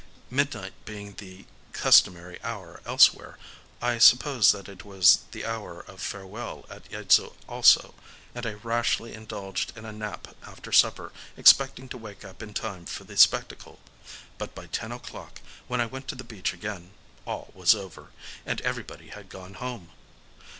Midnight being the customary hour elsewhere, I supposed that it was the hour of farewell at Yaidzu also, and I rashly indulged in a nap after supper, expecting to wake up in time for the spectacle. But by ten o'clock, when I went to the beach again, all was over, and everybody had gone home.